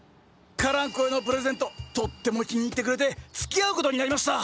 カランコエのプレゼントとっても気に入ってくれてつきあうことになりました。